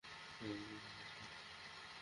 তাই মেরে ফেলেছে।